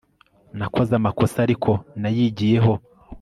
Nakoze amakosa ariko nayigiyeho